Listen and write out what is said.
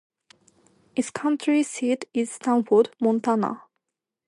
Its county seat is Stanford, Montana.